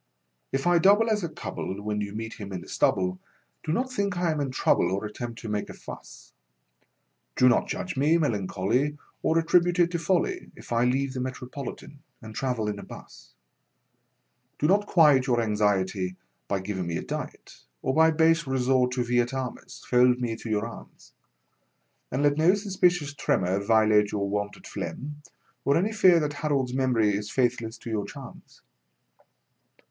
If I double as a cub'll when you meet him in the stubble, Do not think I am in trouble or at tempt to make a fuss ; Do not judge me melancholy or at tribute it to folly If I leave the Metropolitan and travel 'n a bus Do not quiet your anxiety by giving me a diet, Or by base resort to vi et armis fold me to your arms, And let no suspicious tremor violate your wonted phlegm or Any fear that Harold's memory is faithless to your charms.